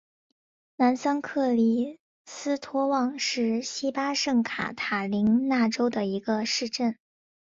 南圣克里斯托旺是巴西圣卡塔琳娜州的一个市镇。